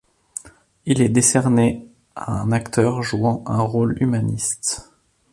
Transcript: Il est décerné à un acteur jouant un rôle humaniste.